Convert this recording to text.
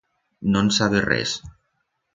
No'n sabe res.